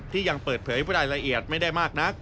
ยังเปิดเผยรายละเอียดไม่ได้มากนัก